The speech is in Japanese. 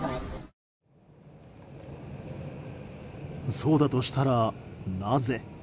そうだとしたら、なぜ。